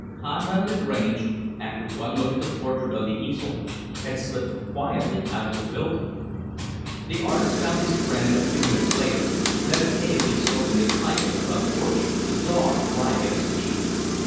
Conrad Lagrange, after one look at the portrait on the easel, had slipped quietly out of the building. The artist found his friend, a few minutes later, meditatively smoking his pipe on the front porch, with Czar lying at his feet.